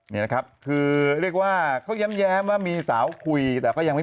นี่นะครับคือเรียกว่าเขาแย้มว่ามีสาวคุยแต่ก็ยังไม่